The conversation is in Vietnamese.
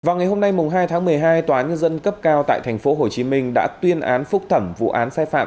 vào ngày hôm nay hai tháng một mươi hai tòa nhân dân cấp cao tại tp hcm đã tuyên án phúc thẩm vụ án sai phạm